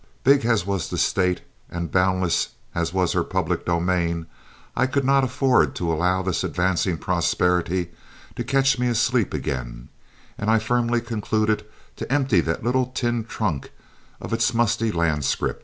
Big as was the State and boundless as was her public domain, I could not afford to allow this advancing prosperity to catch me asleep again, and I firmly concluded to empty that little tin trunk of its musty land scrip.